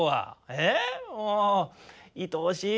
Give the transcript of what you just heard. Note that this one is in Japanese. ええもういとおしい。